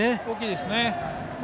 大きいですね。